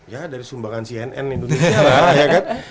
ya dari sumbangan cnn indonesia ya kan